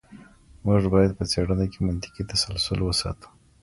موږ باید په څېړنه کې منطقي تسلسل وساتو.